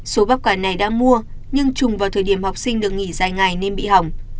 số bắp cải này đã mua nhưng trùng vào thời điểm học sinh được nghỉ dài ngày nên bị hỏng